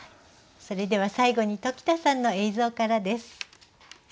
それでは最後に鴇田さんの映像からです。